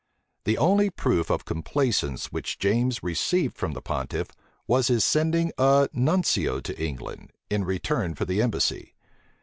The only proof of complaisance which James received from the pontiff, was his sending a nuncio to England, in return for the embassy.